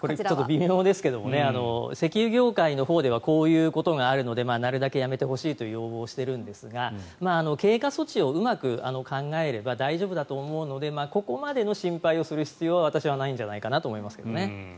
微妙ですけど石油業界ではこういうことがあるのでなるたけやめてほしいと要望しているんですが経過措置をうまく考えれば大丈夫だと思うのでここまでの心配をする必要はないんじゃないかと思いますが。